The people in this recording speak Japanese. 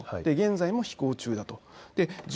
現在も飛しょう中だと。